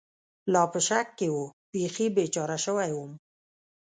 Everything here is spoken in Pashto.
لا په شک کې و، بېخي بېچاره شوی ووم.